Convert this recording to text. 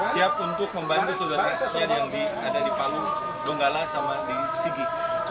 siap untuk membantu saudara saudara yang ada di palu donggala sama di sigi